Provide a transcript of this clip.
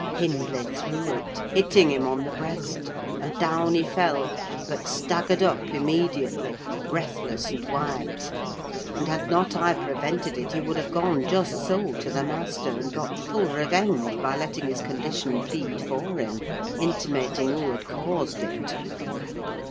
Hindley threw it, hitting him on the breast, and down he fell, but staggered up immediately, breathless and white; and, had not I prevented it, he would have gone just so to the master, and got full revenge by letting his condition plead for him, intimating who had caused it.